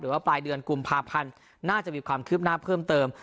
ว่าปลายเดือนกุมภาพันธ์น่าจะมีความคืบหน้าเพิ่มเติม